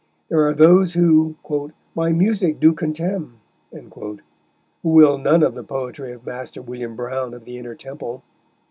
There are those who "my Music do contemn," who will none of the poetry of Master William Browne of the Inner Temple.